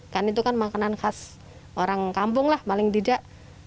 kan itu kan makanan khas orang kampung lah paling tidak